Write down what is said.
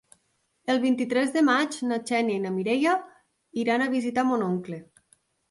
El vint-i-tres de maig na Xènia i na Mireia iran a visitar mon oncle.